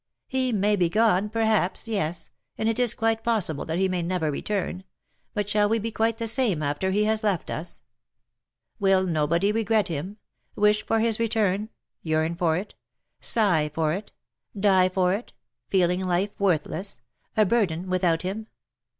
''" He may be gone, perhaps — yes — and it is quite possible that he may never return — but shall we be quite the same after he has left us ? AVill nobody regret him — wish for his return — yearn for it — sigh for it — die for it— feeling life worthless — a burthen, without him